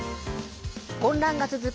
混乱が続く